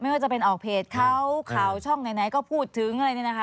ไม่ว่าจะเป็นออกเพจเขาเขาช่องไหนก็พูดถึง